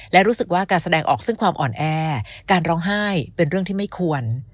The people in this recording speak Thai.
และรู้สึกว่าการแสดงออกซึ่งความอ่อนแอการร้องไห้เป็นเรื่องที่ไม่ควร